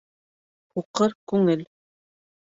Һуҡыр күңел.